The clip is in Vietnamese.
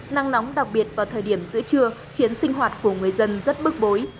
nắng nóng đặc biệt vào thời điểm giữa trưa khiến sinh hoạt của người dân rất bức bối